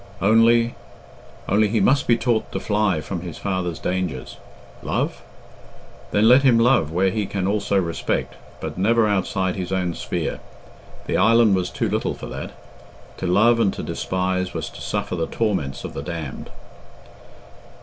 Only only he must be taught to fly from his father's dangers. Love? Then let him love where he can also respect but never outside his own sphere. The island was too little for that. To love and to despise was to suffer the torments of the damned.